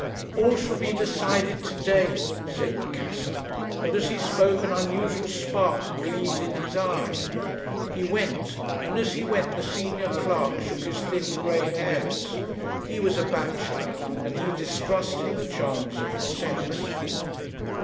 "'All shall be decided to day,' said Macassar, and as he spoke an unusual spark gleamed in his eye. He went, and as he went the senior clerk shook his thin grey hairs. He was a bachelor, and he distrusted the charms of the sex.